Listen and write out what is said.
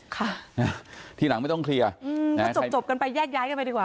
ค่ะทีหลังไม่ต้องเคลียร์อืมถ้าจบจบกันไปแยกย้ายกันไปดีกว่า